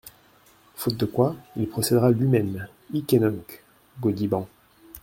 Faute de quoi, il procédera lui-même, hic et nunc…" Gaudiband.